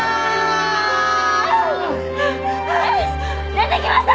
出てきました！